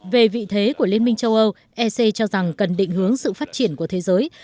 về vị thế của liên minh châu âu ec cho rằng cần định hướng sự phát triển của thế giới